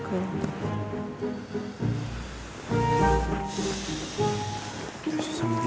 ya si sama dia